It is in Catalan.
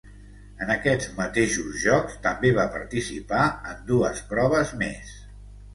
En aquests mateixos Jocs també va participar en dues proves més.